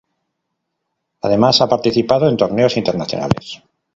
Además ha participado en torneos internacionales.